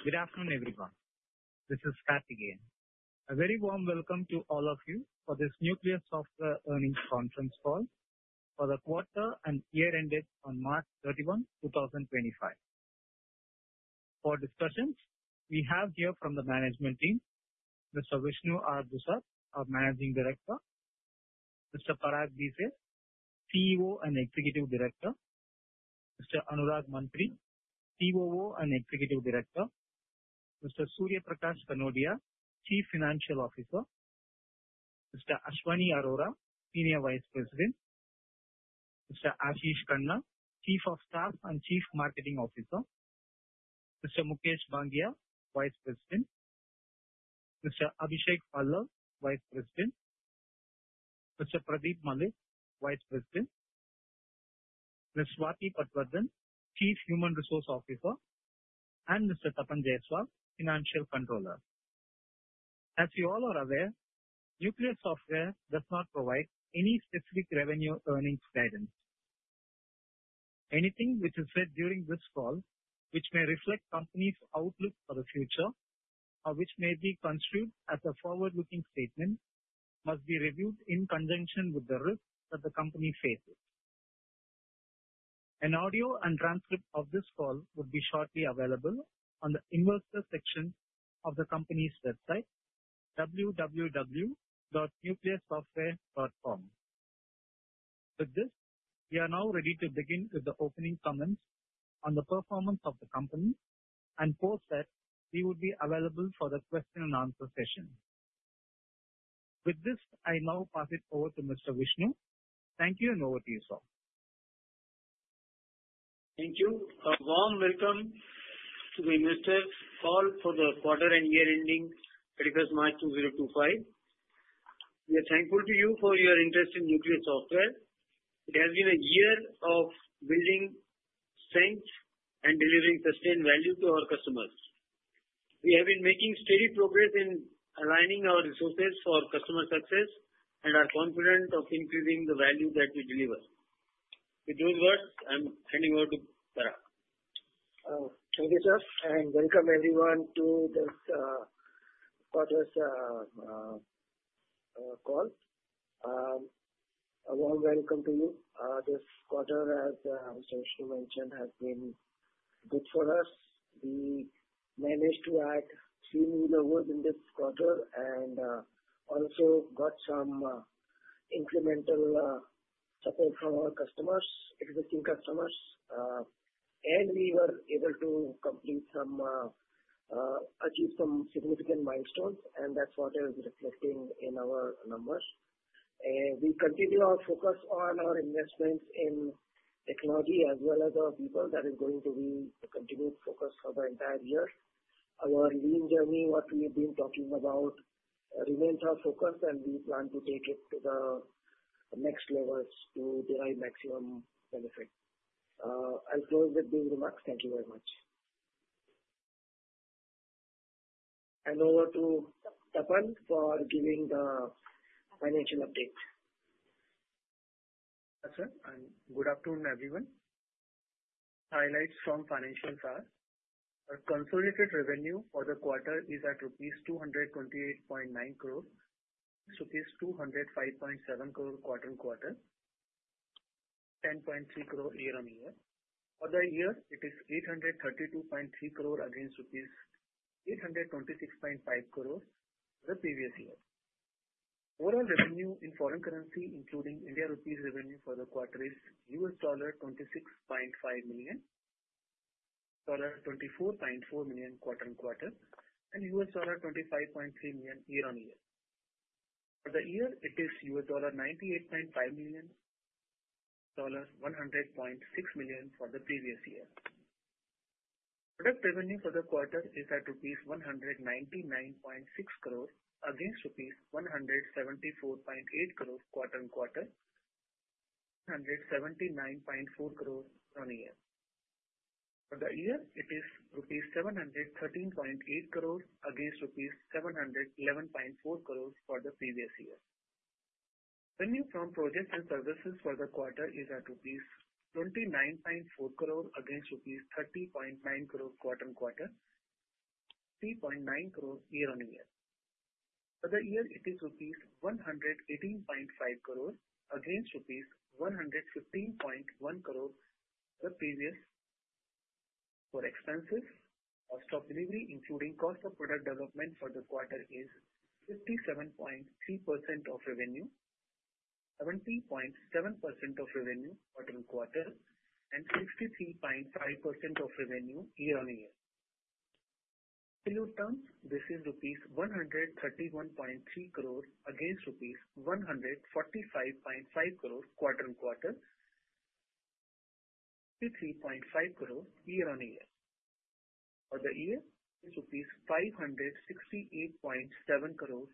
Good afternoon, everyone. This is Scott again. A very warm welcome to all of you for this Nucleus Software Earnings Conference call for the quarter and year-end date on March 31, 2025. For discussions, we have here from the management team, Mr. Vishnu R. Dusad, our Managing Director, Mr. Parag Bhise, CEO and Executive Director, Mr. Anurag Mantri, COO and Executive Director, Mr. Suryaprakash Kanodia, Chief Financial Officer, Mr. Ashwani Arora, Senior Vice President, Mr. Ashish Khanna, Chief of Staff and Chief Marketing Officer, Mr. Mukesh Bangia, Vice President, Mr. Abhishek Pallav, Vice President, Mr. Pradeep Malik, Vice President, Ms. Swati Patwardhan, Chief Human Resource Officer, and Mr. Tapan Jayaswal, Financial Controller. As you all are aware, Nucleus Software does not provide any specific revenue earnings guidance. Anything which is said during this call, which may reflect the company's outlook for the future, or which may be construed as a forward-looking statement, must be reviewed in conjunction with the risks that the company faces. An audio and transcript of this call would be shortly available on the Investor section of the company's website, www.nucleussoftware.com. With this, we are now ready to begin with the opening comments on the performance of the company, and post that, we would be available for the question-and-answer session. With this, I now pass it over to Mr. Vishnu. Thank you, and over to you, sir. Thank you. A warm welcome to the investor call for the quarter and year-end date that occurs March 2025. We are thankful to you for your interest in Nucleus Software. It has been a year of building strength and delivering sustained value to our customers. We have been making steady progress in aligning our resources for customer success and are confident of increasing the value that we deliver. With those words, I'm handing over to Parag. Thank you, sir. Welcome, everyone, to this quarter's call. A warm welcome to you. This quarter, as Mr. Vishnu mentioned, has been good for us. We managed to add three new levels in this quarter and also got some incremental support from our customers, existing customers, and we were able to achieve some significant milestones, and that is what is reflecting in our numbers. We continue our focus on our investments in technology as well as our people. That is going to be the continued focus for the entire year. Our lean journey, what we have been talking about, remains our focus, and we plan to take it to the next levels to derive maximum benefit. I will close with these remarks. Thank you very much. Over to Tapan for giving the financial update. Yes, sir. Good afternoon, everyone. Highlights from financials are, our consolidated revenue for the quarter is at rupees 228.9 crore, 205.7 crore quarter-on-quarter, 10.3 crore year-on-year. For the year, it is 832.3 crore against rupees 826.5 crore the previous year. Overall revenue in foreign currency, including Indian rupees revenue for the quarter, is $26.5 million, $24x 4 million quarter-on-quarter, and $25.3 million year-on-year. For the year, it is $98.5 million, $100.6 million for the previous year. Product revenue for the quarter is at rupees 199.6 crore against rupees 174.8 crore quarter-on-quarter, 179.4 crore year-on-year. For the year, it is rupees 713.8 crore against rupees 711.4 crore for the previous year. Revenue from projects and services for the quarter is at rupees 29.4 crore against rupees 30.9 crore quarter-on-quarter, 3.9 crore year-on-year. For the year, it is rupees 118.5 crore against rupees 115.1 crore the previous. For expenses, cost of delivery, including cost of product development for the quarter, is 57.3% of revenue, 70.7% of revenue quarter-on-quarter, and 63.5% of revenue year-on-year. In absolute terms, this is rupees 131.3 crore against rupees 145.5 crore quarter-on-quarter, 63.5 crore year-on-year. For the year, it is rupees 568.7 crore,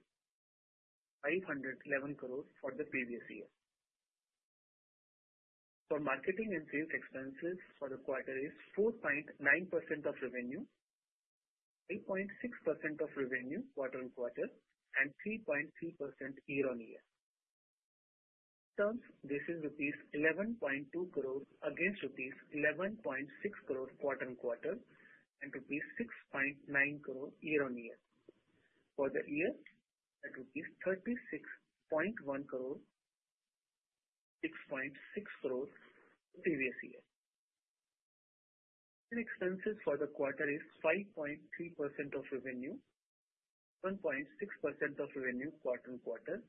511 crore for the previous year. For marketing and sales expenses for the quarter, it is 4.9% of revenue, 5.6% of revenue quarter-on-quarter, and 3.3% year-on-year. In terms, this is rupees 11.2 crore against rupees 11.6 crore quarter-on-quarter and rupees 6.9 crore year-on-year. For the year, it is rupees 36.1 crore, 6.6 crore the previous year. Revenue expenses for the quarter are 5.3% of revenue, 1.6% of revenue quarter-on-quarter,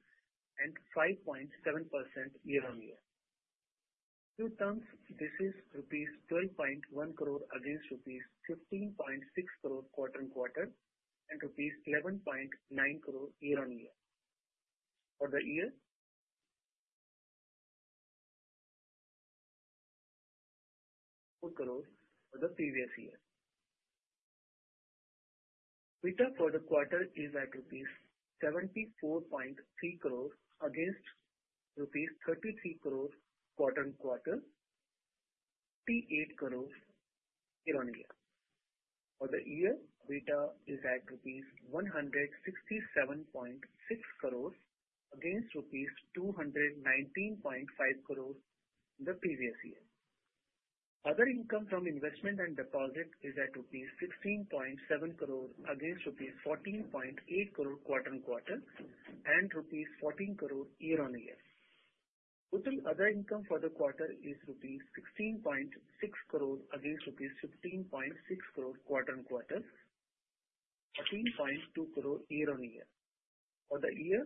and 5.7% year-on-year. In terms, this is rupees 12.1 crore against rupees 15.6 crore quarter-on-quarter and rupees 11.9 crore year-on-year. For the year, crore for the previous year. EBITDA for the quarter is at rupees 74.3 crore against rupees 33 crore quarter-on-quarter, 58 crore year-on-year. For the year, EBITDA is at rupees 167.6 crore against rupees 219.5 crore the previous year. Other income from investment and deposit is at rupees 16.7 crore against rupees 14.8 crore quarter-on-quarter and rupees 14 crore year-on-year. Total other income for the quarter is rupees 16.6 crore against rupees 15.6 crore quarter-on-quarter, INR 14.2 crore year-on-year. For the year,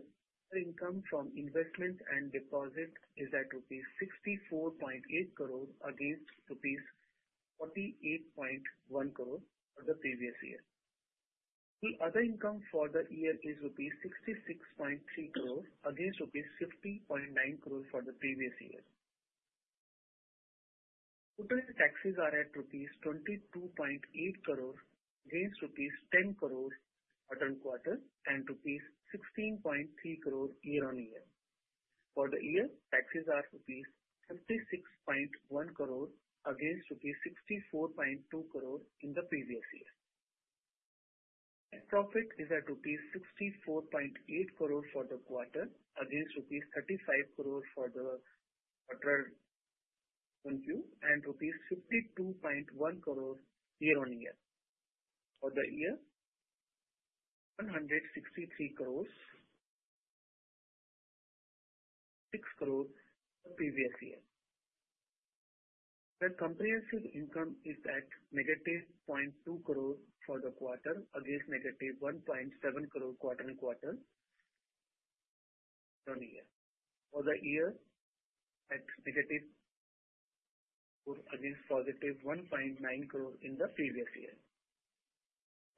income from investment and deposit is at rupees 64.8 crore against rupees 48.1 crore for the previous year. Total other income for the year is rupees 66.3 crore against rupees 50.9 crore for the previous year. Total taxes are at rupees 22.8 crore against rupees 10 crore quarter-on-quarter and rupees 16.3 crore year-on-year. For the year, taxes are rupees 76.1 crore against rupees 64.2 crore in the previous year. Net profit is at rupees 64.8 crore for the quarter against rupees 35 crore for the quarter-on-year and rupees 52.1 crore year-on-year. For the year, 163 crore, 6 crore the previous year. The comprehensive income is at 2.2 crore for the quarter against 1.7 crore quarter-on-quarter year-on-year. For the year, it's at INR 2.4 crore against 1.9 crore in the previous year.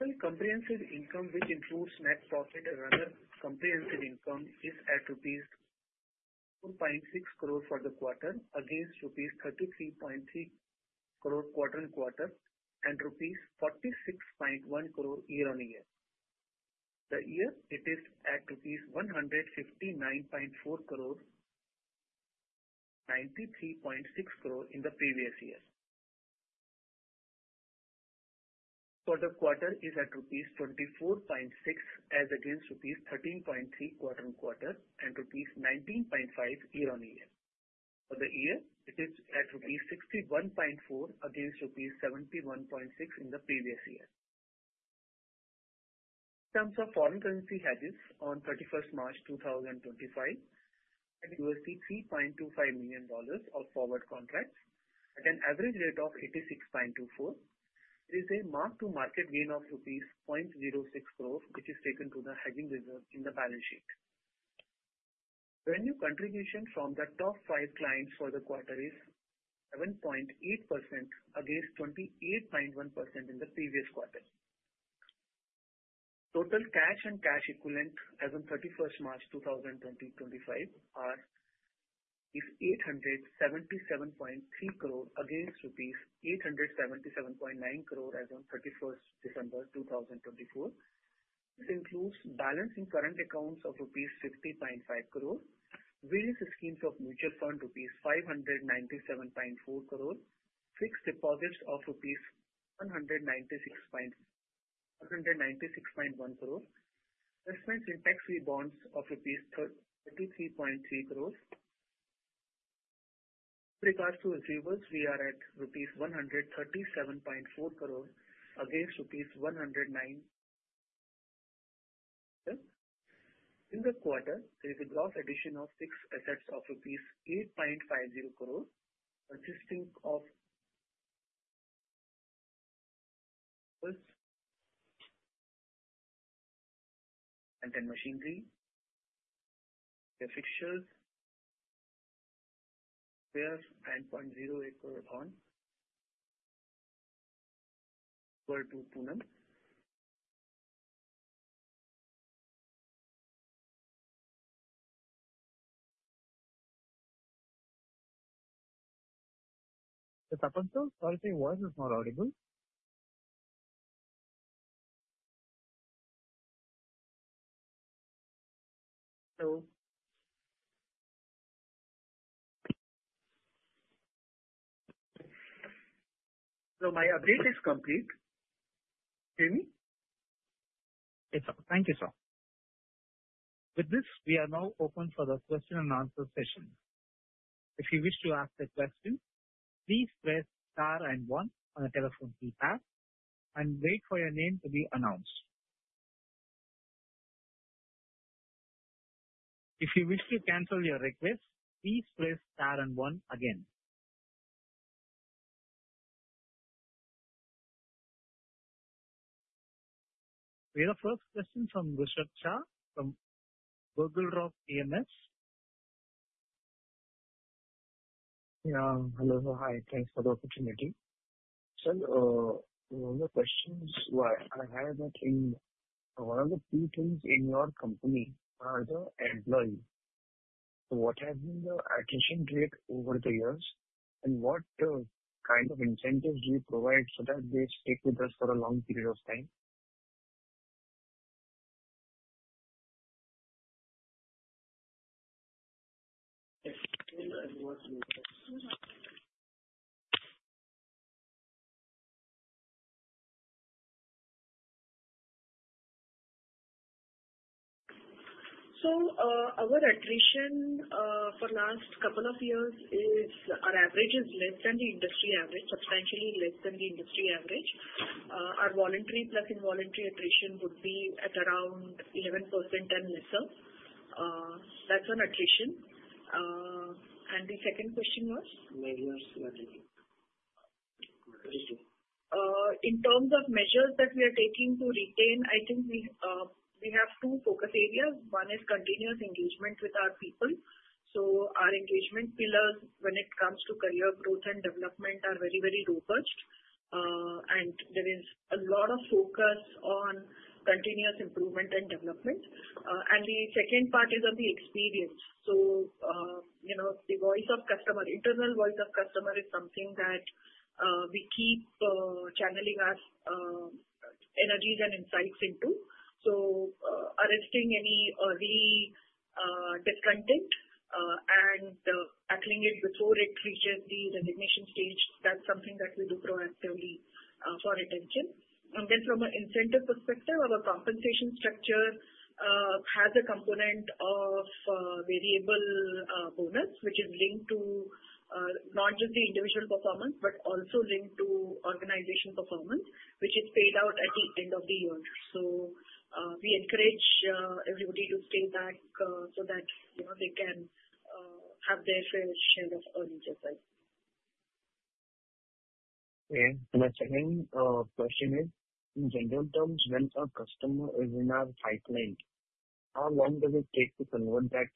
Total comprehensive income, which includes net profit and other comprehensive income, is at rupees 4.6 crore for the quarter against rupees 33.3 crore quarter-on-quarter and rupees 46.1 crore year-on-year. For the year, it is at rupees 159.4 crore, 93.6 crore in the previous year. For the quarter, it is at rupees 24.6 as against rupees 13.3 quarter-on-quarter and rupees 19.5 year-on-year. For the year, it is at rupees 61.4 against rupees 71.6 in the previous year. In terms of foreign currency hedges, on 31st March 2025, we had $3.25 million of forward contracts at an average rate of 86.24. There is a mark-to-market gain of 0.06 rupees, which is taken to the hedging reserve in the balance sheet. Revenue contribution from the top five clients for the quarter is 7.8% against 28.1% in the previous quarter. Total cash and cash equivalent as of 31st March 2025 is 877.3 crore against rupees 877.9 crore as of 31st December 2024. This includes balance in current accounts of rupees 50.5 crore, various schemes of mutual fund rupees 597.4 crore, fixed deposits of rupees 196.1 crore, investments in tax-free bonds of rupees 33.3 crore. With regards to receivables, we are at rupees 137.4 crore against rupees 109 crore. In the quarter, there is a gross addition of fixed assets of rupees 8.50 crore, consisting of tools, plant and machinery, fixtures, spares, and INR 0.08 crore bond equal to Poonam. The Tapan sir, sorry, say, voice is not audible. Hello. Hello. My update is complete. Can you hear me? Yes, sir. Thank you, sir. With this, we are now open for the question-and-answer session. If you wish to ask a question, please press star and one on the telephone keypad and wait for your name to be announced. If you wish to cancel your request, please press star and one again. We have a first question from Rushabh Shah from Google Drop EMS. Yeah. Hello. Hi. Thanks for the opportunity. Sir, one of the questions I had in one of the few things in your company are the employees. So what has been the attrition rate over the years, and what kind of incentives do you provide so that they stick with us for a long period of time? Our attrition for the last couple of years is our average is less than the industry average, substantially less than the industry average. Our voluntary plus involuntary attrition would be at around 11% and lesser. That is attrition. The second question was? Measures you are taking? In terms of measures that we are taking to retain, I think we have two focus areas. One is continuous engagement with our people. Our engagement pillars, when it comes to career growth and development, are very, very robust. There is a lot of focus on continuous improvement and development. The second part is on the experience. The voice of customer, internal voice of customer, is something that we keep channeling our energies and insights into. Arresting any discontent and tackling it before it reaches the resignation stage, that's something that we do proactively for retention. From an incentive perspective, our compensation structure has a component of variable bonus, which is linked to not just the individual performance but also linked to organization performance, which is paid out at the end of the year. We encourage everybody to stay back so that they can have their fair share of earnings as well. Okay. My second question is, in general terms, when a customer is in our pipeline, how long does it take to convert that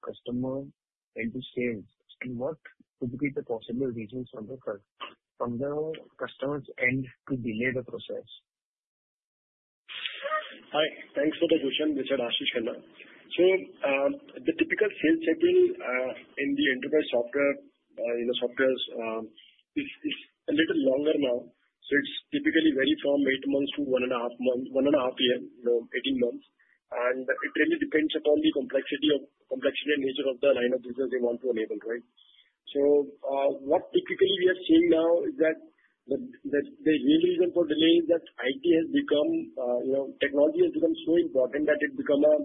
customer into sales? What could be the possible reasons from the customer's end to delay the process? Hi. Thanks for the question, Rushabh. This is Ashish Khanna. The typical sales cycle in the enterprise software is a little longer now. It typically varies from eight months to one and a half years, 18 months. It really depends upon the complexity and nature of the line of business they want to enable, right? What typically we are seeing now is that the main reason for delay is that IT has become, technology has become so important that it became a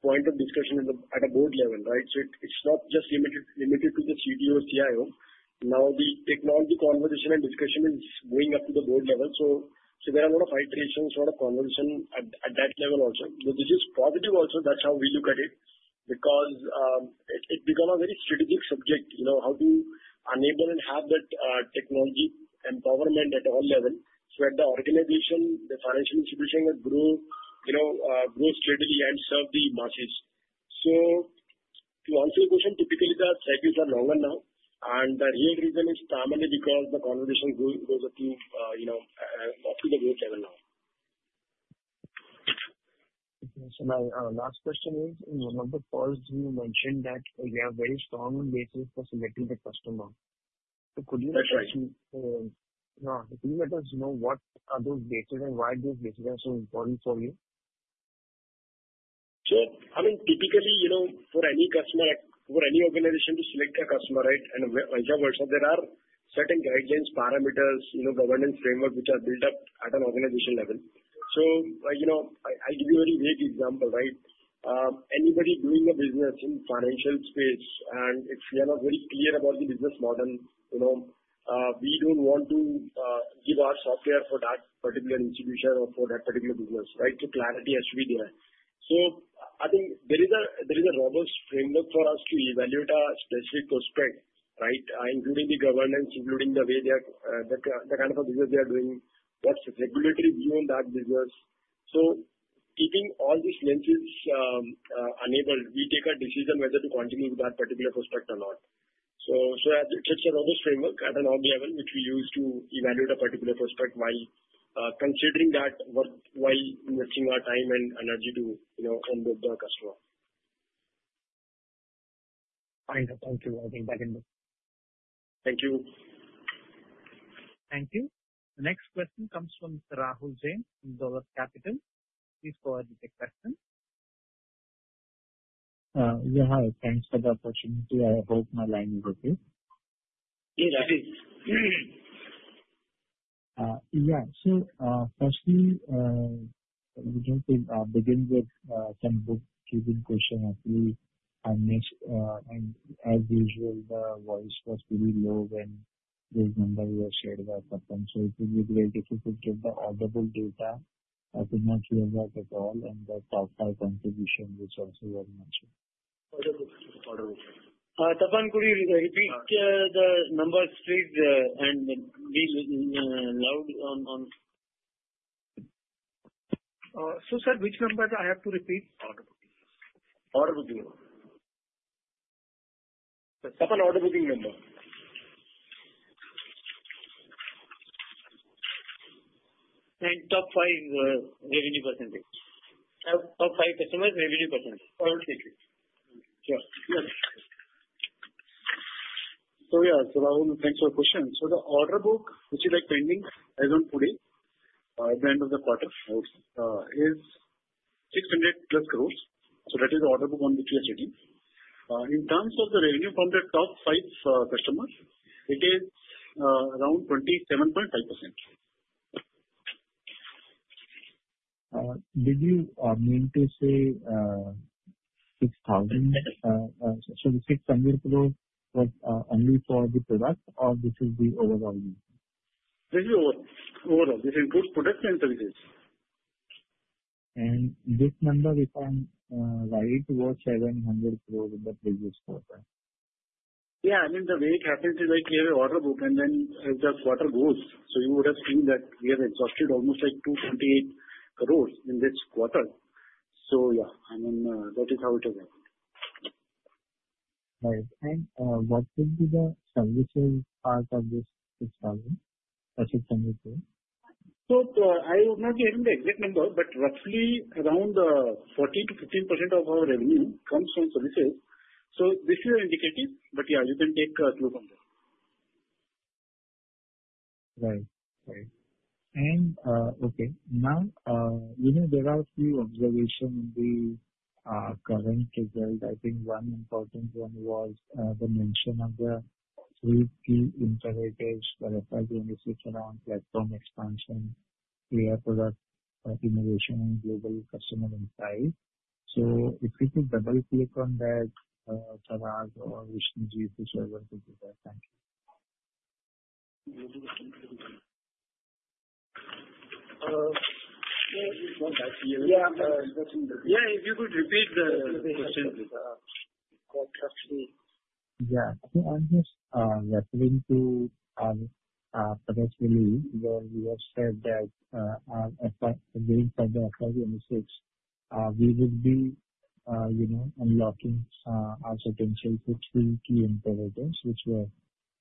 point of discussion at a board level, right? It is not just limited to the CTO or CIO. Now, the technology conversation and discussion is going up to the board level. There are a lot of iterations, a lot of conversation at that level also. This is positive also. That's how we look at it because it becomes a very strategic subject, how to enable and have that technology empowerment at all levels so that the organization, the financial institution can grow steadily and serve the masses. To answer your question, typically the cycles are longer now. The real reason is primarily because the conversation goes up to the board level now. Okay. So my last question is, in your number first, you mentioned that you have very strong basis for selecting the customer. So could you let us know? That's right. Yeah. Could you let us know what are those bases and why those bases are so important for you? Sure. I mean, typically, for any customer, for any organization to select a customer, right, and vice versa, there are certain guidelines, parameters, governance frameworks which are built up at an organization level. I'll give you a very vague example, right? Anybody doing a business in financial space, and if we are not very clear about the business model, we don't want to give our software for that particular institution or for that particular business, right? Clarity has to be there. I think there is a robust framework for us to evaluate our specific prospect, right, including the governance, including the way they are, the kind of business they are doing, what's the regulatory view on that business. Keeping all these lenses enabled, we take a decision whether to continue with that particular prospect or not. It's a robust framework at an organization level which we use to evaluate a particular prospect while considering that while investing our time and energy to convert the customer. Fine sir. Thank you. I'll take that in. Thank you. Thank you. The next question comes from Rahul Jain, Dolat Capital. Please go ahead with your question. Yeah. Hi. Thanks for the opportunity. I hope my line is okay. Yeah, that is. Yeah. Firstly, we just begin with some bookkeeping questions. Actually, I missed, as usual, the voice was pretty low when the number was shared by Tapan. It would be very difficult to get the audible data. I could not hear that at all. The top five contribution was also very much. Audible. Audible. Tapan, could you repeat the number, please, and be loud on? Sir, which number do I have to repeat? Audible. Tapan audible number. Top five revenue percentage? Top five customers, revenue percentage? Audible. Yeah. Yes. Yeah. Rahul, thanks for the question. The order book, which is pending as of today, at the end of the quarter, is 600 crore-plus. That is the order book on which we are sitting. In terms of the revenue from the top five customers, it is around 27.5%. Did you mean to say 6,000? So the 600 plus was only for the product, or this is the overall? This is overall. This includes products and services. This number, if I'm right, was 700 plus in the previous quarter? Yeah. I mean, the way it happens is we have an order book, and then the quarter goes. You would have seen that we have exhausted almost 228 crore in this quarter. Yeah. I mean, that is how it has happened. Right. What would be the services part of this INR 6,000? That is INR 600 plus. I would not be giving the exact number, but roughly around 14-15% of our revenue comes from services. This is indicative, but yeah, you can take a clue from that. Right. Right. Okay. Now, there are a few observations in the current result. I think one important one was the mention of the three key imperatives that FIBM is fixed around: platform expansion, player product innovation, and global customer insight. If you could double-click on that, Parag or Vishnu R. Dusad, whichever you prefer. Thank you. Yeah. If you could repeat the question. Yeah. I'm just referring to our product release where we have said that going for the FIBMSX, we would be unlocking our potential, which is key imperatives, which were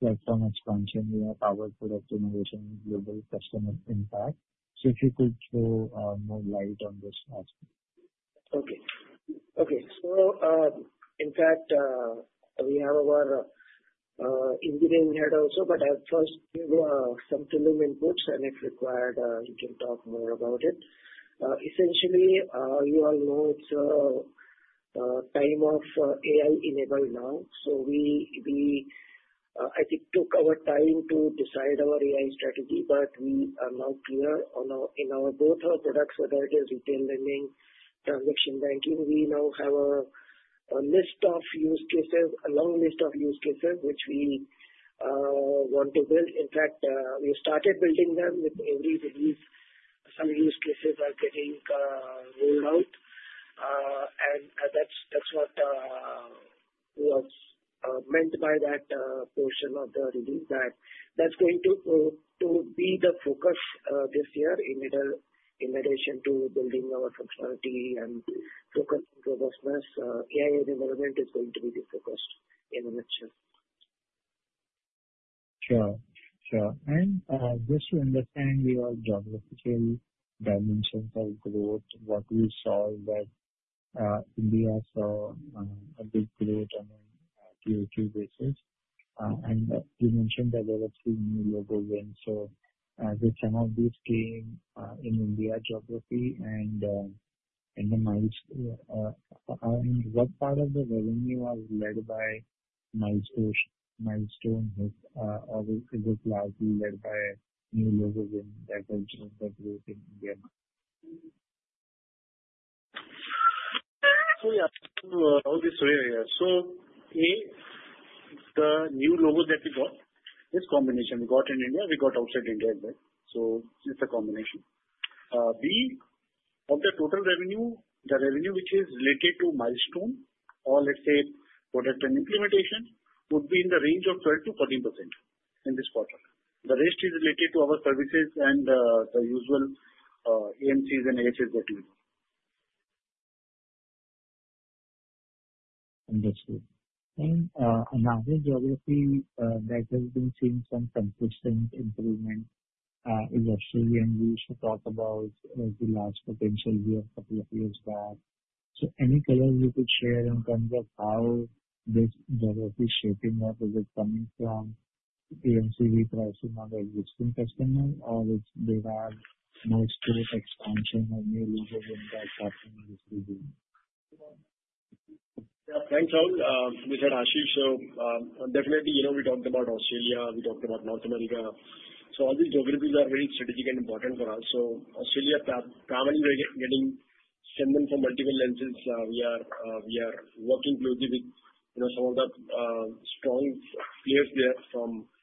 platform expansion, power product innovation, and global customer impact. If you could throw more light on this aspect. Okay. Okay. In fact, we have our engineering head also, but I have first given some preliminary inputs, and if required, you can talk more about it. Essentially, you all know it is a time of AI-enabled now. I think we took our time to decide our AI strategy, but we are now clear in both our products, whether it is retail lending or transaction banking. We now have a list of use cases, a long list of use cases, which we want to build. In fact, we started building them with every release. Some use cases are getting rolled out. That is what was meant by that portion of the release, that is going to be the focus this year in relation to building our functionality and focusing on robustness. AI development is going to be the focus in the next year. Sure. Sure. Just to understand your geographical dimensions of growth, what we saw is that India saw a big growth on a year-to-date basis. You mentioned developing new local wins. Some of these came in India geography and in the Miles area. What part of the revenue was led by Milestone? Milestone is largely led by new locals in that region, that growth in India. Yeah. this is Surya here. The new logos that we got, this combination, we got in India, we got outside India as well. It's a combination. B, of the total revenue, the revenue which is related to Milestone or, let's say, product and implementation would be in the range of 12%-14% in this quarter. The rest is related to our services and the usual AMCs and AHS that we do. Understood. Another geography that has been seeing some consistent improvement is Australia. You used to talk about the large potential here a couple of years back. Any color you could share in terms of how this geography is shaping up? Is it coming from AMC repricing on the existing customers, or do they have more straight expansion or new logos in this region? Yeah. Thanks, Rahul. This is Ashish. Definitely, we talked about Australia. We talked about North America. All these geographies are very strategic and important for us. Australia is primarily getting sent in from multiple lenses. We are working closely with some of the strong players there,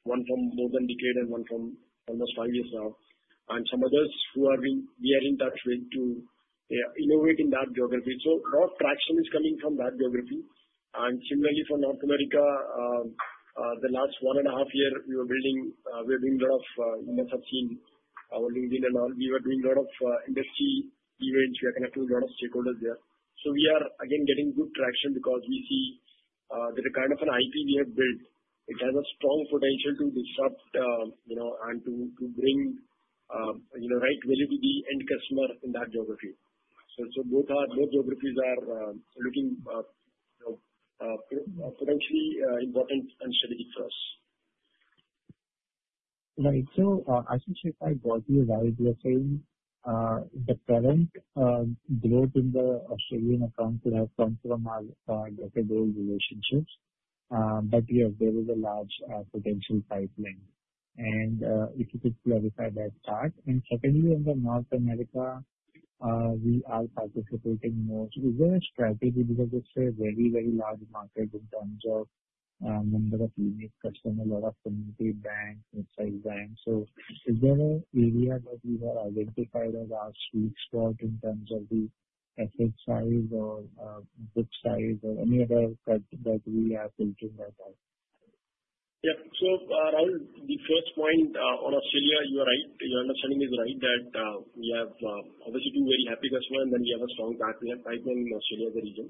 one from more than a decade and one from almost five years now, and some others who we are in touch with to innovate in that geography. A lot of traction is coming from that geography. Similarly, for North America, the last one and a half year, we were building a lot of you must have seen our LinkedIn and all. We were doing a lot of industry events. We are connecting a lot of stakeholders there. We are, again, getting good traction because we see that the kind of an IP we have built, it has a strong potential to disrupt and to bring the right value to the end customer in that geography. Both geographies are looking potentially important and strategic for us. Right. Ashish, if I brought you a valuable thing, the current growth in the Australian account could have come from our getting old relationships. Yes, there is a large potential pipeline. If you could clarify that part. Secondly, in North America, we are participating more. Is there a strategy because it's a very, very large market in terms of number of unique customers, a lot of community banks, mid-size banks? Is there an area that you have identified as our sweet spot in terms of the asset size or book size or any other cut that we are filtering that out? Yeah. So Rahul, the first point on Australia, you are right. Your understanding is right that we have obviously two very happy customers, and then we have a strong pipeline in Australia as a region.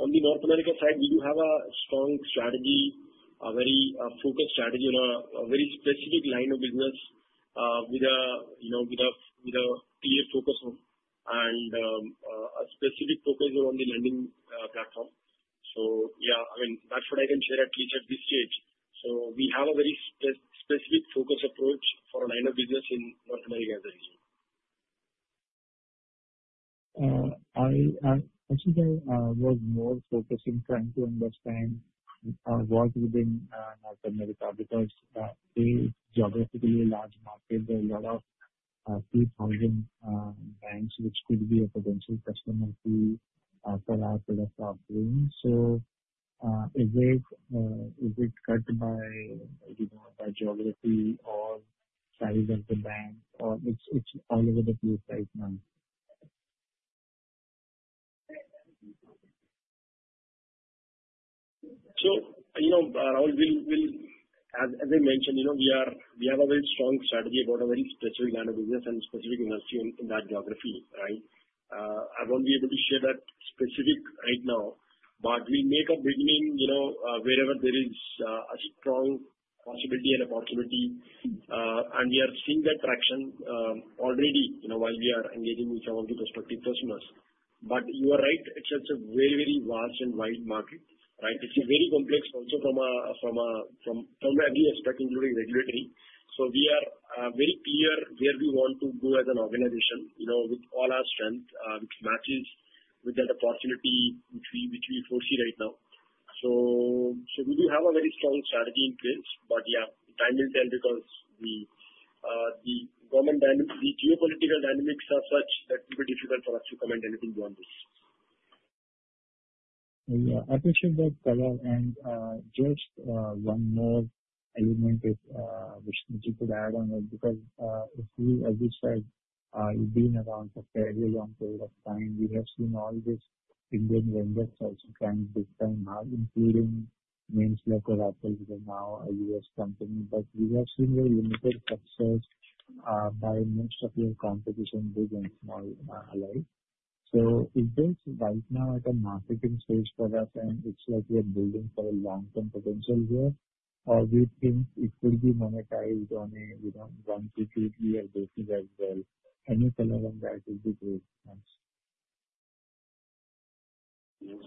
On the North America side, we do have a strong strategy, a very focused strategy on a very specific line of business with a clear focus and a specific focus on the lending platform. Yeah. I mean, that's what I can share at least at this stage. We have a very specific focus approach for a line of business in North America as a region. Khanna, I was more focusing trying to understand what within North America because it's geographically a large market. There are a lot of 3,000 banks which could be a potential customer for our product offering. Is it cut by geography or size of the bank, or it's all over the place right now? Rahul, as I mentioned, we have a very strong strategy. We've got a very specific line of business and specific industry in that geography, right? I won't be able to share that specific right now, but we'll make a beginning wherever there is a strong possibility. We are seeing that traction already while we are engaging with some of the prospective customers. You are right. It's such a very, very vast and wide market, right? It's very complex also from every aspect, including regulatory. We are very clear where we want to go as an organization with all our strength, which matches with that opportunity which we foresee right now. We do have a very strong strategy in place, but yeah, time will tell because the geopolitical dynamics are such that it will be difficult for us to comment anything beyond this. Yeah. I appreciate that, Pallav. Just one more element if Vishnu could add on it because as you said, you've been around for a very long period of time. We have seen all these Indian vendors trying to expand now, including names like Oracle that are now a U.S. company. We have seen very limited success by most of your competition, big and small alike. Is this right now at a marketing stage for us, and it's like we are building for a long-term potential here, or do you think it could be monetized on a one-, two-, three-year basis as well? Any color on that would be great. Thanks. Yeah.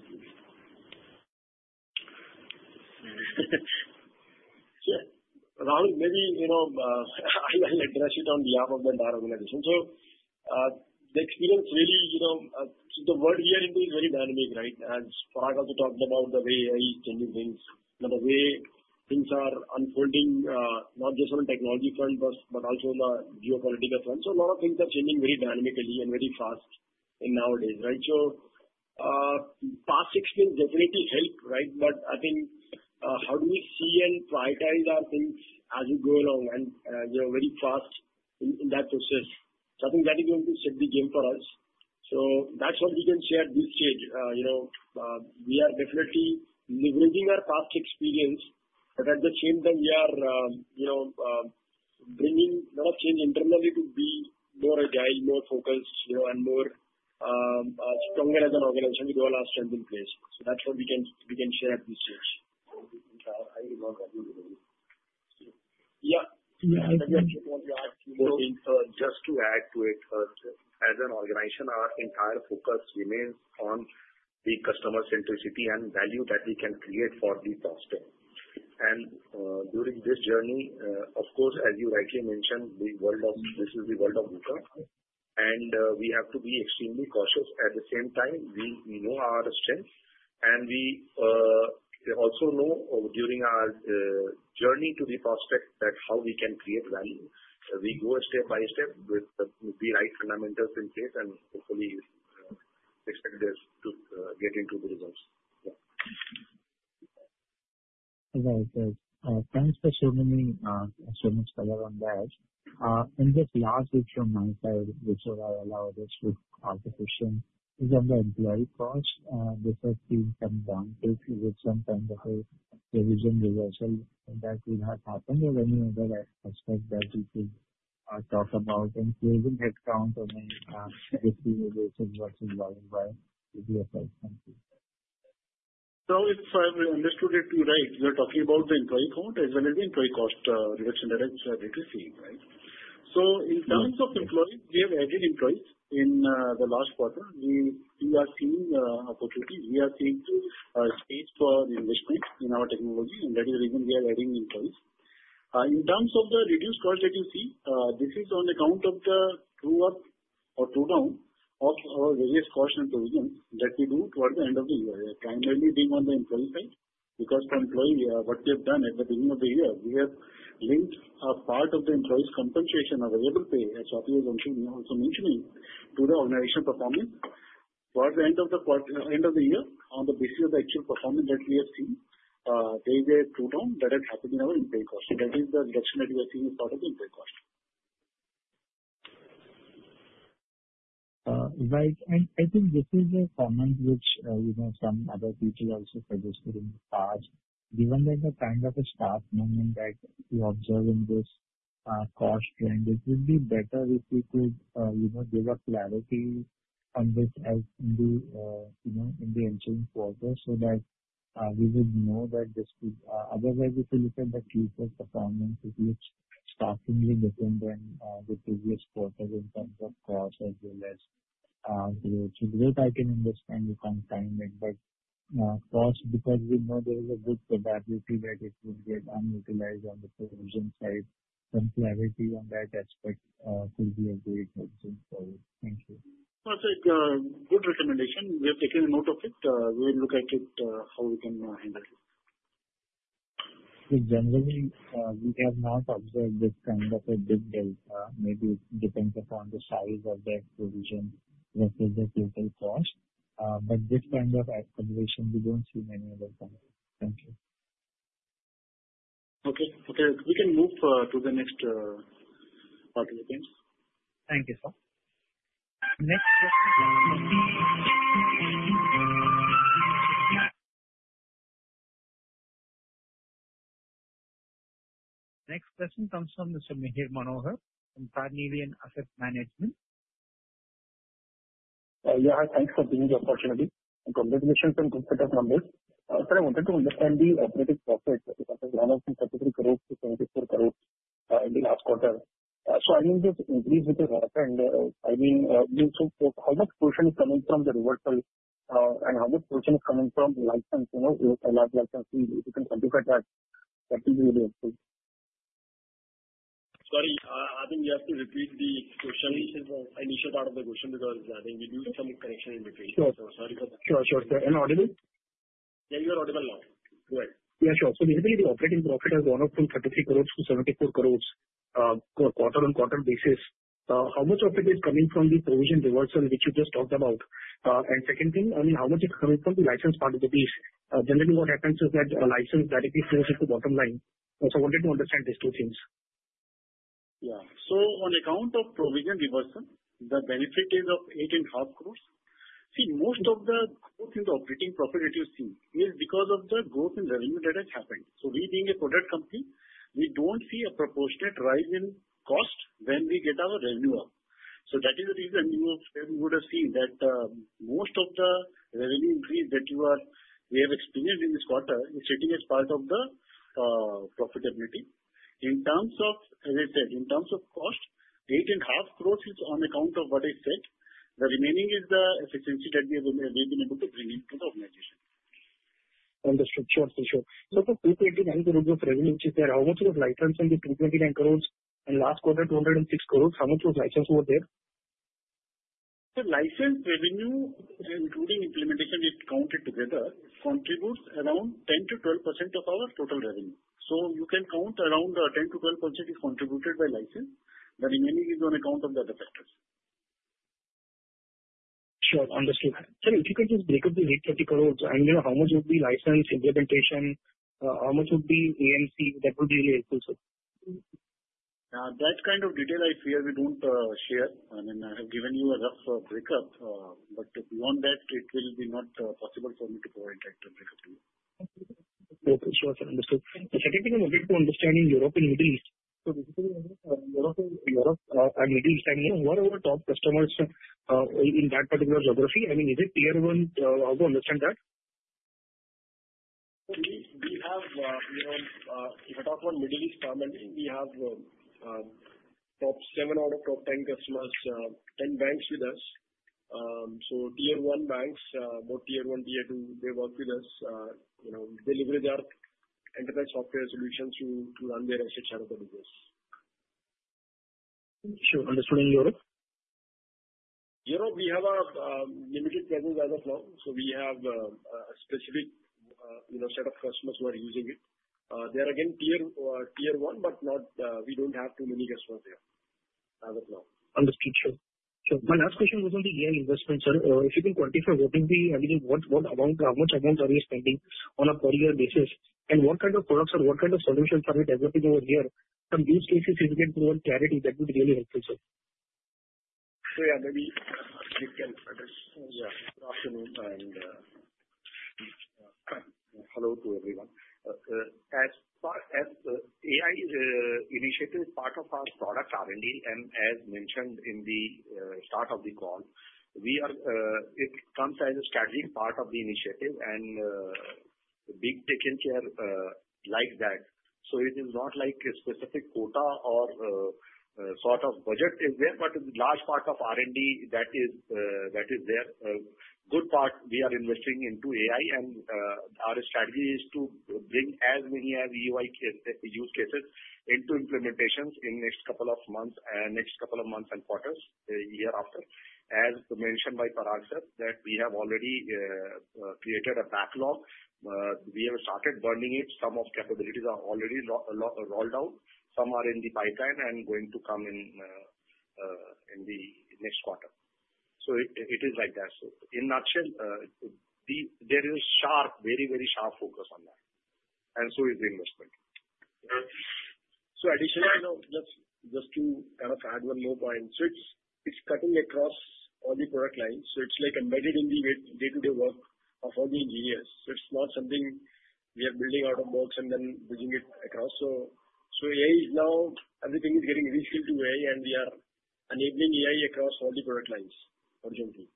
Rahul, maybe I'll address it on behalf of the entire organization. The experience, really, the world we are in is very dynamic, right? As Parag also talked about, the way AI is changing things, the way things are unfolding, not just on a technology front, but also the geopolitical front. A lot of things are changing very dynamically and very fast nowadays, right? Past experience definitely helped, right? I think how do we see and prioritize our things as we go along and very fast in that process? I think that is going to set the game for us. That's what we can share at this stage. We are definitely leveraging our past experience, but at the same time, we are bringing a lot of change internally to be more agile, more focused, and stronger as an organization with all our strength in place. That is what we can share at this stage. I agree with Rahul. Yeah. I think I just want to add two more things. Just to add to it, as an organization, our entire focus remains on the customer centricity and value that we can create for the prospect. During this journey, of course, as you rightly mentioned, this is the world of Uber. We have to be extremely cautious. At the same time, we know our strength, and we also know during our journey to the prospect that how we can create value. We go step by step with the right fundamentals in place and hopefully expect this to get into the results. Yeah. Right. Thanks for sharing so much, Pallav, on that. Just last bit from my side, which will allow us to ask a question, is on the employee cost. This has seen some downtick with some kind of a revision reversal. That would have happened or any other aspect that you could talk about, including headcount or any distribution versus volume by the US company? If I understood it right, you are talking about the employee count as well as the employee cost reduction that we are currently seeing, right? In terms of employees, we have added employees in the last quarter. We are seeing opportunity. We are seeing a space for investment in our technology, and that is the reason we are adding employees. In terms of the reduced cost that you see, this is on account of the true up or true down of our various costs and provisions that we do towards the end of the year, primarily being on the employee side because for employees, what we have done at the beginning of the year, we have linked a part of the employees' compensation, available pay as Shafi was also mentioning, to the organization performance. Towards the end of the year, on the basis of the actual performance that we have seen, there is a true down that has happened in our employee cost. That is the reduction that we are seeing as part of the employee cost. Right. I think this is a comment which some other people also suggested in the past. Given the kind of a staff moment that we observe in this cost trend, it would be better if we could give clarity on this as in the entering quarter so that we would know that this could otherwise, if you look at the Q4 performance, it looks shockingly different than the previous quarter in terms of cost as well as growth. The way I can understand, you can't time it, but cost, because we know there is a good probability that it would get unutilized on the provision side, some clarity on that aspect could be a great help for you. Thank you. That's a good recommendation. We have taken a note of it. We will look at it, how we can handle it. Generally, we have not observed this kind of a big delta. Maybe it depends upon the size of that provision versus the total cost. This kind of escalation, we do not see many of them. Thank you. Okay. Okay. We can move to the next participant. Thank you, sir. Next question. Next question comes from Mr. Mihir Manohar from Carnelian Asset Management. Yeah. Thanks for giving the opportunity. I'm completely confident of numbers. I wanted to understand the operating profit because it went up from INR 33 crore to INR 74 crore in the last quarter. I mean, just increase with the growth. I mean, how much portion is coming from the reversal and how much portion is coming from licensing? If you can quantify that, that would be really helpful. Sorry. I think you have to repeat the initial part of the question because I think we did some correction in between. Sorry for that. Sure. Sure. And audible? Yeah. You are audible now. Go ahead. Yeah. Sure. So basically, the operating profit has gone up from 33 crore to 74 crore on a quarter-on-quarter basis. How much of it is coming from the provision reversal which you just talked about? Second thing, I mean, how much is coming from the license part of the piece? Generally, what happens is that license directly flows into the bottom line. I wanted to understand these two things. Yeah. On account of provision reversal, the benefit is of ₹8.5 crore. See, most of the growth in the operating profit that you see is because of the growth in revenue that has happened. We being a product company, we do not see a proportionate rise in cost when we get our revenue up. That is the reason you would have seen that most of the revenue increase that we have experienced in this quarter is sitting as part of the profitability. In terms of, as I said, in terms of cost, ₹8.5 crore is on account of what I said. The remaining is the efficiency that we have been able to bring into the organization. Understood. Sure. Sure. For 229 crore of revenue, which is there, how much was licensed on the 229 crore? Last quarter, 206 crore, how much was licensed over there? The licensed revenue, including implementation, if counted together, contributes around 10-12% of our total revenue. You can count around 10-12% is contributed by license. The remaining is on account of the other factors. Sure. Understood. Sir, if you could just break up the 820 crore, I mean, how much would be license implementation? How much would be AMC? That would be really helpful, sir. That kind of detail, I fear we don't share. I mean, I have given you a rough breakup, but beyond that, it will be not possible for me to provide that breakup to you. Okay. Sure. Sure. Understood. The second thing I'm a bit to understand in Europe and Middle East. So basically, Europe. Europe and Middle East, I mean, who are our top customers in that particular geography? I mean, is it tier one? I also understand that. We have, if I talk about Middle East, we have top seven out of top ten customers, ten banks with us. Tier one banks, both tier one, tier two, they work with us. They leverage our enterprise software solutions to run their assets out of the business. Sure. Understood. Europe? Europe, we have a limited presence as of now. We have a specific set of customers who are using it. They are, again, tier one, but we do not have too many customers there as of now. Understood. Sure. Sure. My last question was on the AI investment, sir. If you can quantify what is the amount, how much amount are you spending on a per-year basis? And what kind of products or what kind of solutions are you developing over here? Some use cases if you can provide clarity, that would be really helpful, sir. Yeah, maybe you can address. Yeah. Good afternoon and hello to everyone. As far as AI initiative is part of our product R&D, and as mentioned in the start of the call, it comes as a strategic part of the initiative and a big taking care like that. It is not like a specific quota or sort of budget is there, but it is a large part of R&D that is there. Good part, we are investing into AI, and our strategy is to bring as many as AI use cases into implementations in the next couple of months, next couple of months and quarters, year after. As mentioned by Parag sir, we have already created a backlog. We have started burning it. Some of the capabilities are already rolled out. Some are in the pipeline and going to come in the next quarter. It is like that. In a nutshell, there is sharp, very, very sharp focus on that. So is the investment. Additionally, just to kind of add one more point, it is cutting across all the product lines. It is embedded in the day-to-day work of all the engineers. It is not something we are building out of box and then bringing it across. AI is now everything is getting re-skilled to AI, and we are enabling AI across all the product lines for Juneteenth.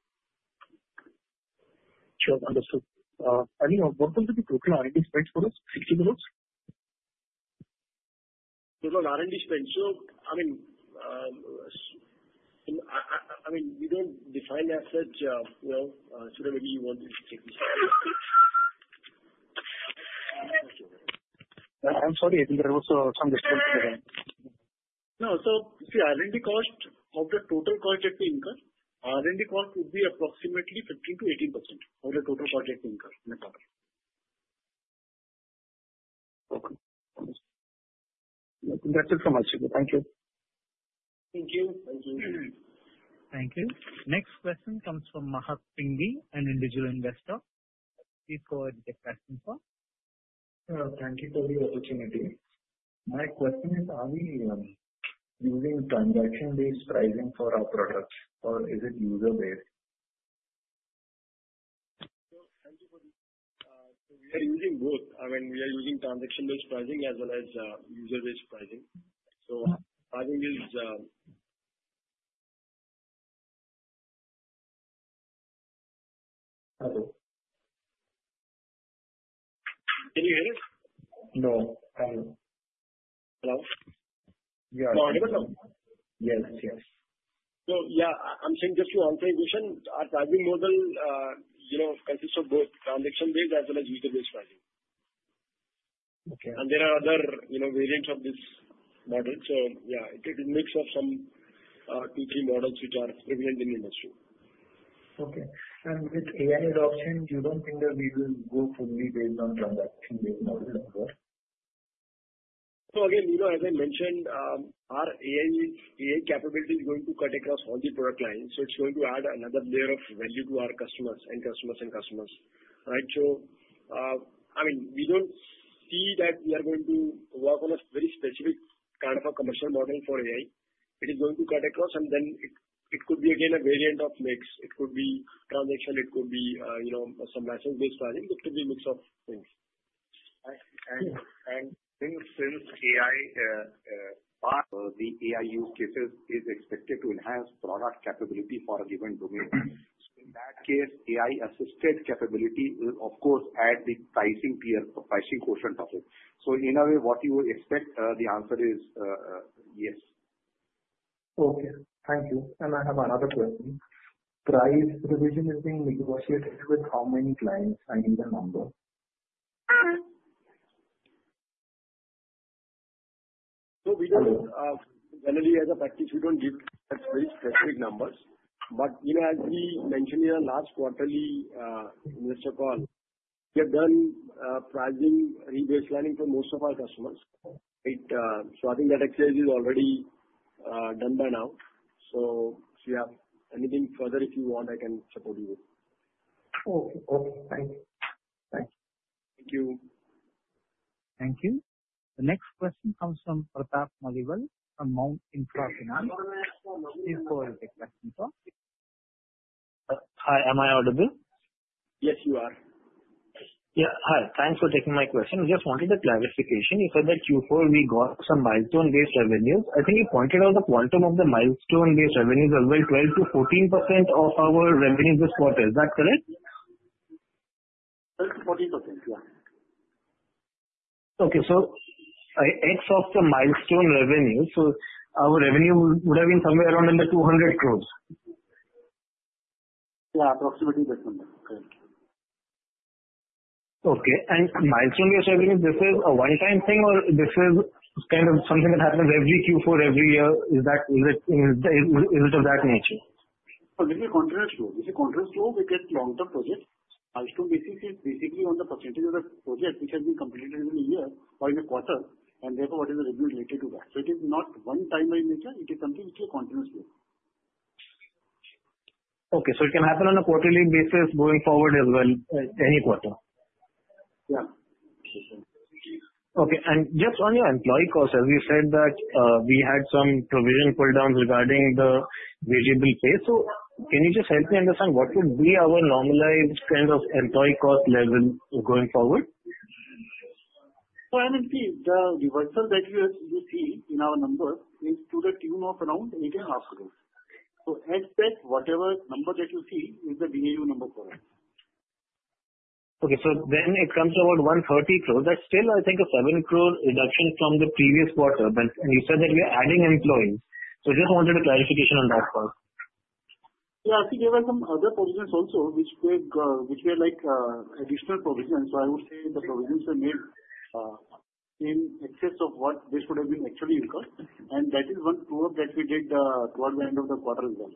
Sure. Understood. I mean, what will be the total R&D spend for us, 60 crores? Total R&D spend. I mean, we do not define as such. Sure, maybe you want to take this question. I'm sorry. I think there are also some questions in the line. No. See, R&D cost of the total project to incur, R&D cost would be approximately 15%-18% of the total project to incur in a quarter. Okay. That's it from my side. Thank you. Thank you. Thank you. Thank you. Next question comes from Mahak Singhvi, an individual investor. Please go ahead and take questions. Thank you for the opportunity. My question is, are we using transaction-based pricing for our products, or is it user-based? Thank you for the question. We are using both. I mean, we are using transaction-based pricing as well as user-based pricing. I think it's— Hello? Can you hear me? No. Hello? Hello? Yeah. You are audible now? Yes. Yes. Yeah, I'm saying just to answer your question, our pricing model consists of both transaction-based as well as user-based pricing. There are other variants of this model. Yeah, it's a mix of some two, three models which are prevalent in the industry. Okay. With AI adoption, you don't think that we will go fully based on transaction-based model anymore? As I mentioned, our AI capability is going to cut across all the product lines. It is going to add another layer of value to our customers and customers and customers, right? I mean, we do not see that we are going to work on a very specific kind of a commercial model for AI. It is going to cut across, and then it could be, again, a variant of mix. It could be transaction. It could be some license-based pricing. It could be a mix of things. Since the AI part, the AI use cases, is expected to enhance product capability for a given domain, in that case, AI-assisted capability will, of course, add the pricing portion to it. In a way, what you would expect, the answer is yes. Okay. Thank you. I have another question. Price revision is being negotiated with how many clients? I mean, the number. Generally, as a practice, we do not give very specific numbers. As we mentioned in our last quarterly investor call, we have done pricing re-baselining for most of our customers. I think that exercise is already done by now. If you have anything further, if you want, I can support you. Okay. Thanks. Thank you. Thank you. The next question comes from Pratap Maliwal from Mount Infra Finance. Please go ahead and take questions, sir. Hi. Am I audible? Yes, you are. Yeah. Hi. Thanks for taking my question. We just wanted a clarification. You said that Q4, we got some milestone-based revenues. I think you pointed out the quantum of the milestone-based revenues as well: 12%-14% of our revenues this quarter. Is that correct? 12-14%. Yeah. Okay. So X of the milestone revenue, our revenue would have been somewhere around under 200 crore? Yeah. Approximately that number. Correct. Okay. Milestone-based revenue, this is a one-time thing, or this is kind of something that happens every Q4, every year? Is it of that nature? This is a continuous flow. We get long-term projects. Milestone-basis is basically on the percentage of the project which has been completed in a year or in a quarter, and therefore, what is the revenue related to that? It is not one-time in nature. It is something which is a continuous flow. Okay. So it can happen on a quarterly basis going forward as well, any quarter? Yeah. Okay. Just on your employee cost, as we said that we had some provision pull-downs regarding the variable pay. Can you just help me understand what would be our normalized kind of employee cost level going forward? I mean, see, the reversal that you see in our numbers is to the tune of around 8.5 crore. Expect whatever number that you see is the BAU number for us. Okay. So then it comes to about 130 crore. That's still, I think, a 7 crore reduction from the previous quarter. You said that we are adding employees. I just wanted a clarification on that part. Yeah. I think there were some other provisions also which were additional provisions. I would say the provisions were made in excess of what this would have been actually incurred. That is one proof that we did towards the end of the quarter as well.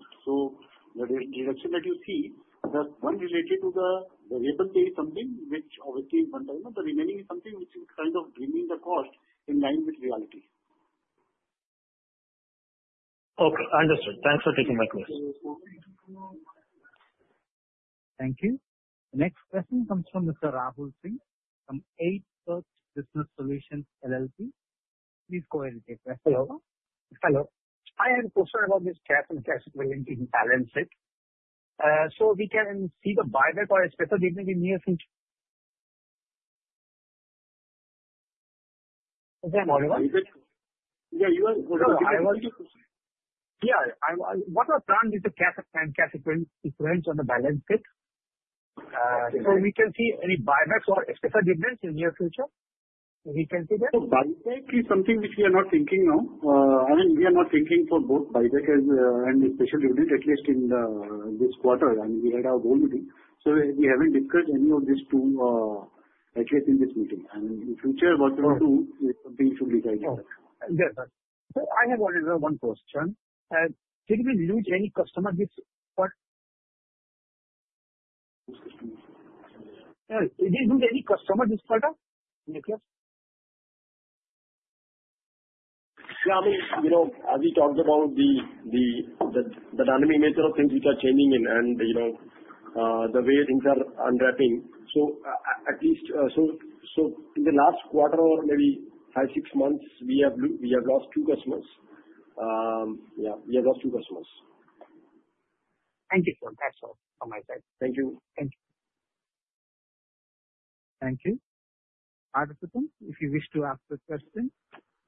The reduction that you see, that's one related to the variable pay something, which obviously is one time, but the remaining is something which is kind of bringing the cost in line with reality. Okay. Understood. Thanks for taking my question. Thank you. The next question comes from Mr. Rahul Singh from Aide Search Business Solutions LLP. Please go ahead and take the question. Hello. Hello. I have a question about this cash and cash equivalent in balance sheet. So we can see the buyback or a special dividend in near future? Is that possible? Yeah. You want to know? I want to—yeah. What are the plans with the cash and cash equivalent on the balance sheet? So we can see any buybacks or special dividends in near future? We can see that? Buyback is something which we are not thinking now. I mean, we are not thinking for both buyback and special dividend, at least in this quarter. I mean, we had our whole meeting. We have not discussed any of these two, at least in this meeting. I mean, in future, what we do is something we should decide on. Yes. I have one question. Did we lose any customer this quarter? Did we lose any customer this quarter? Niklas? Yeah. I mean, as we talked about the dynamic nature of things which are changing and the way things are unwrapping. At least, in the last quarter or maybe five-six months, we have lost two customers. Yeah. We have lost two customers. Thank you. That's all from my side. Thank you. Thank you.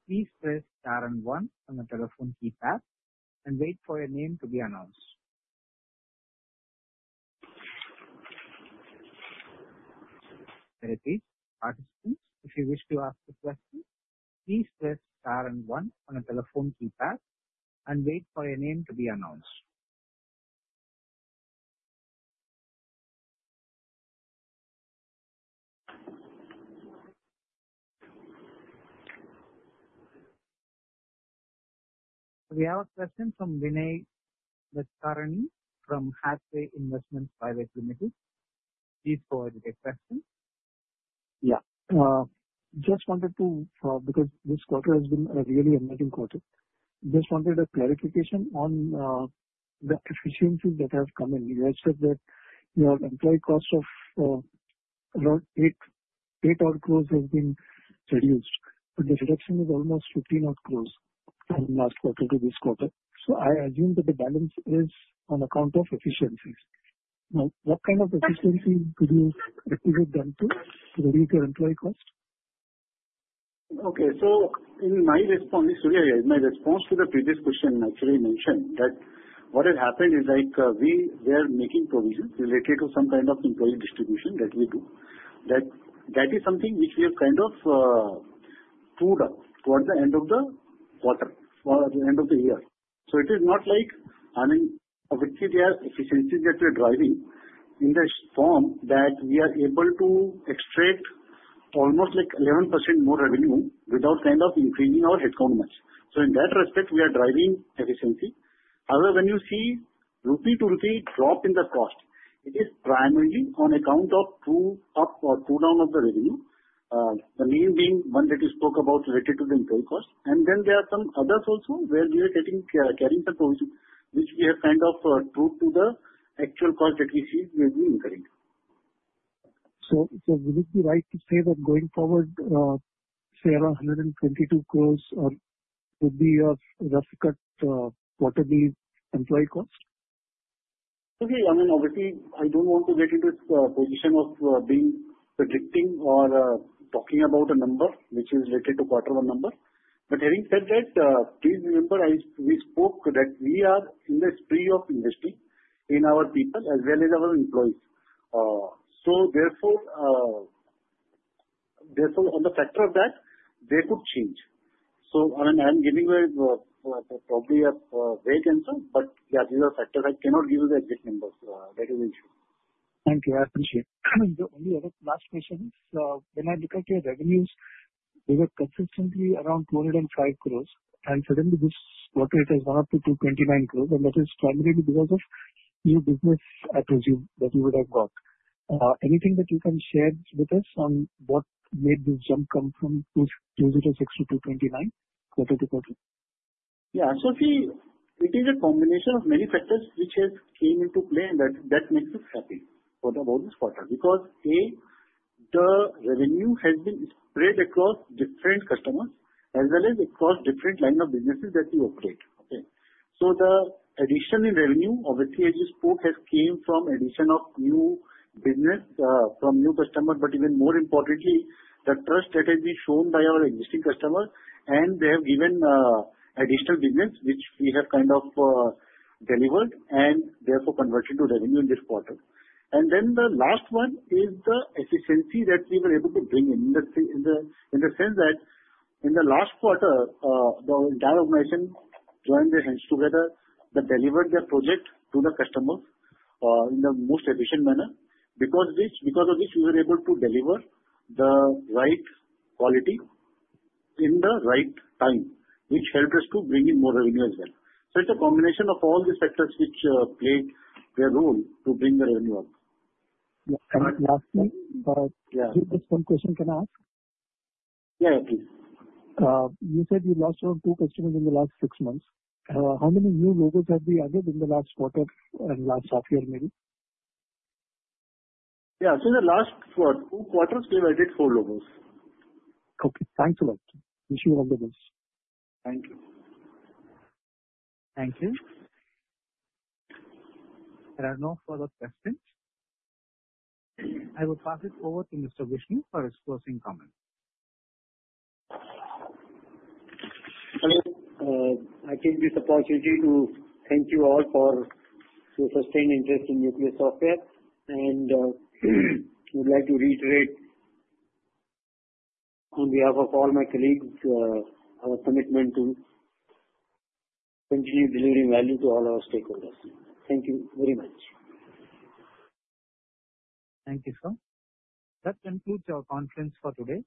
Participants, if you wish to ask a question, please press star and one on the telephone keypad and wait for your name to be announced. We have a question from Vinay Nadkarni from Hatway Investments Private Ltd. Please go ahead and take question. Yeah. Just wanted to, because this quarter has been a really amazing quarter, just wanted a clarification on the efficiencies that have come in. You had said that your employee cost of around 8 crore has been reduced, but the reduction is almost 15 crore from last quarter to this quarter. I assume that the balance is on account of efficiencies. Now, what kind of efficiencies could you attribute them to to reduce your employee cost? Okay. In my response, Surya here, in my response to the previous question, I actually mentioned that what has happened is we were making provisions related to some kind of employee distribution that we do. That is something which we have kind of pulled up towards the end of the quarter or the end of the year. It is not like, I mean, efficiencies that we are driving in the form that we are able to extract almost 11% more revenue without kind of increasing our headcount much. In that respect, we are driving efficiency. However, when you see rupee to rupee drop in the cost, it is primarily on account of two up or two down of the revenue, the main being one that you spoke about related to the employee cost. There are some others also where we are carrying some provisions which we have kind of true to the actual cost that we see will be incurring. Would it be right to say that going forward, say, around 122 crore would be your rough cut quarterly employee cost? Okay. I mean, obviously, I do not want to get into a position of predicting or talking about a number which is related to quarter one number. I mean, having said that, please remember we spoke that we are in the spree of investing in our people as well as our employees. Therefore, on the factor of that, they could change. I mean, I am giving probably a vague answer, but yeah, these are factors. I cannot give you the exact numbers. That is the issue. Thank you. I appreciate it. The only other last question is, when I look at your revenues, they were consistently around 205 crore. Suddenly, this quarter, it has gone up to 229 crore, and that is primarily because of new business attributes that you would have got. Anything that you can share with us on what made this jump come from 226 crore to 229 crore quarter to quarter? Yeah. See, it is a combination of many factors which have come into play that makes us happy about this quarter because, A, the revenue has been spread across different customers as well as across different lines of businesses that we operate. Okay? The addition in revenue, obviously, as you spoke, has come from addition of new business from new customers, but even more importantly, the trust that has been shown by our existing customers. They have given additional business which we have kind of delivered and therefore converted to revenue in this quarter. The last one is the efficiency that we were able to bring in the sense that in the last quarter, the entire organization joined their hands together but delivered their project to the customers in the most efficient manner because of which we were able to deliver the right quality in the right time, which helped us to bring in more revenue as well. It is a combination of all these factors which played their role to bring the revenue up. Yeah. Lastly, just one question, can I ask? Yeah. Yeah. Please. You said you lost around two customers in the last six months. How many new logos have we added in the last quarter and last half year, maybe? Yeah. In the last two quarters, we've added four logos. Okay. Thanks a lot. Wish you all the best. Thank you. Thank you. There are no further questions. I will pass it over to Mr. Vishnu for his closing comment. Hello. I take this opportunity to thank you all for your sustained interest in Nucleus Software. I would like to reiterate, on behalf of all my colleagues, our commitment to continue delivering value to all our stakeholders. Thank you very much. Thank you, sir. That concludes our conference for today.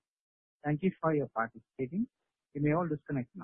Thank you for your participation. You may all disconnect.